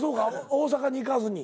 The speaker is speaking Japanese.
大阪に行かずに。